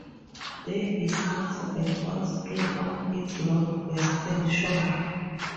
There is also a hot spring on its northwestern shore.